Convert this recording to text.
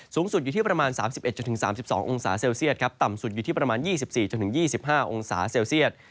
สูงสุดอยู่ที่ประมาณ๓๑๓๒องศาเซลเซียตครับต่ำสุดอยู่ที่ประมาณ๒๔๒๕องศาเซลเซียต